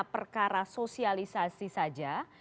perkara sosialisasi saja